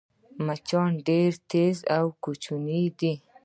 مچان ډېر تېز او کوچني دي